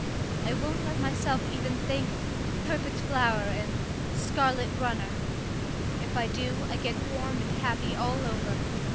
I won't let myself even think "perfect flower" and "scarlet runner." If I do, I get warm and happy all over.